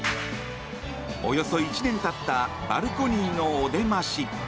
およそ１年経ったバルコニーのお出まし。